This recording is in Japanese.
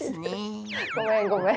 ごめんごめん。